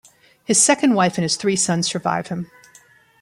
His second wife and his three sons survive him.